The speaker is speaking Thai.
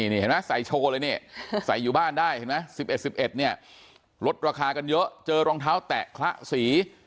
นี่ใส่โชว์เลยนี่ใส่อยู่บ้านได้นี่๑๑๑๑ลดราคากันเยอะเจอรองเท้าแตะคละสี